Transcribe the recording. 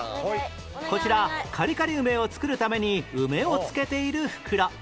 こちらカリカリ梅を作るために梅を漬けている袋